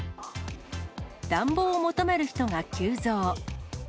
暖房を求める人が急増。